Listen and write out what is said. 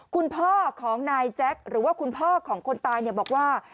คุณพ่อของนายแจ็คหรือว่าคุณพ่อของคนตายบอกว่า